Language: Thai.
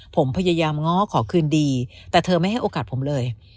ผมพยายามง้อขอคืนดีแต่เธอไม่ให้โอกาสผมเลย